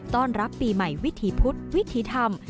ต้อนรับปีใหม่วิถีพุธวิถีธรรม